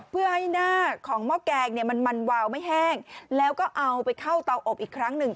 เพื่อให้หน้าของหม้อแกงเนี่ยมันวาวไม่แห้งแล้วก็เอาไปเข้าเตาอบอีกครั้งหนึ่ง